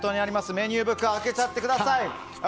メニューブック開けちゃってください！